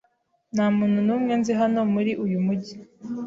Nta muntu n'umwe nzi hano muri uyu mujyi